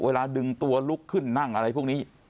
เวลาดึงตัวลุกขึ้นนั่งอะไรพวกนี้